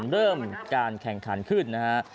การเริ่มการแข่งขันขึ้นนะครับ